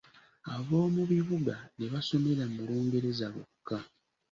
Ab'omu bibuga ne basomera mu Lungereza lwokka.